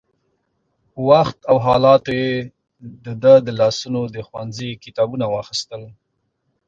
وخت او حالاتو يې د ده له لاسونو د ښوونځي کتابونه واخيستل.